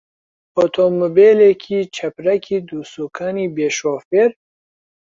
ئۆتۆمبێلێکی چەپرەکی دووسوکانی بێ شۆفێر؟